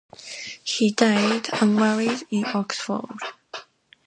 He died, unmarried, in Oxford.